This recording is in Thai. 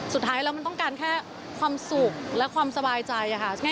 สุดท้ายแล้วมันต้องการแค่ความสุขและความสบายใจค่ะ